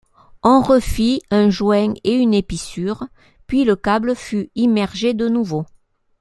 On refit un joint et une épissure ; puis le câble fut immergé de nouveau.